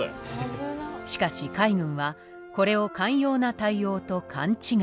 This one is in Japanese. しかし海軍はこれを寛容な対応と勘違い。